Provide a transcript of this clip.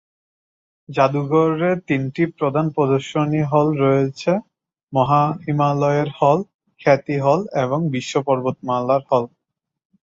জাদুঘরে তিনটি প্রধান প্রদর্শনী হল রয়েছে: মহা হিমালয়ের হল, খ্যাতি হল এবং বিশ্ব পর্বতমালার হল।